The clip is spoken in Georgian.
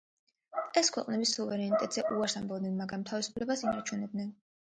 ეს ქვეყნები სუვერენიტეტზე უარს ამბობდნენ, მაგრამ, თავისუფლებას ინარჩუნებდნენ.